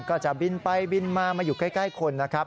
ก็จะบินไปบินมามาอยู่ใกล้คนนะครับ